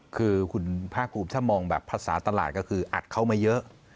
คือคุณพระคุบถ้ามองแบบภาษาตลาดก็อัดเขามาเยอะ